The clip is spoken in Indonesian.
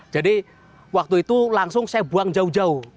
jadi waktu itu langsung saya buang jauh jauh